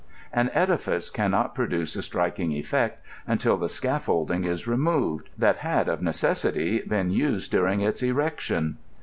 *' An edifice can not produce a striking efiect until the scafiblding is removed, that had of necessity been used during its erection.